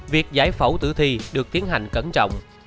việc giải phẫu tử thi được tiến hành cẩn trọng